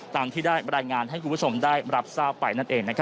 ตามที่รายงานผมได้รับรับทราบไป